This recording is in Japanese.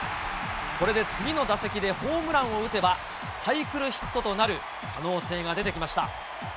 これで次の打席でホームランを打てば、サイクルヒットとなる可能性が出てきました。